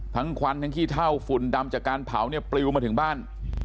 ควันทั้งขี้เท่าฝุ่นดำจากการเผาเนี่ยปลิวมาถึงบ้าน